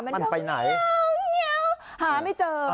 มันไปไหนหาไม่เจอ